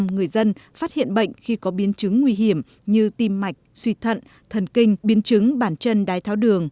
tám mươi năm người dân phát hiện bệnh khi có biến chứng nguy hiểm như tim mạch suy thận thần kinh biến chứng bản chân đái tháo đường